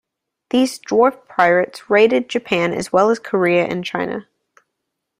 These "dwarf pirates" raided Japan as well as Korea and China.